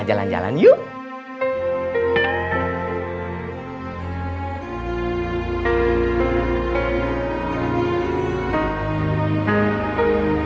makanya kedengar hp